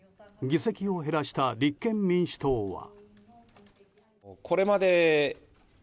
議席を減らした立憲民主党は。